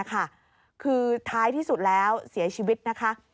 คือท้ายที่สุดแล้วเสียชีวิตนะคะ